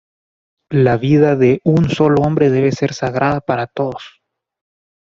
La vida del un solo hombre debe ser sagrada para todos.